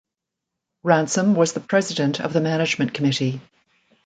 Ransom was the president of the management committee.